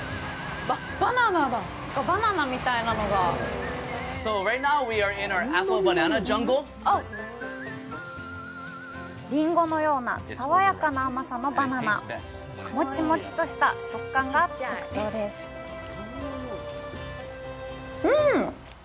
バナナだバナナみたいなのがりんごのような爽やかな甘さのバナナもちもちとした食感が特徴ですうん！